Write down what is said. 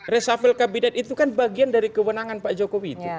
resafel kabinet itu kan bagian dari kewenangan pak jokowi itu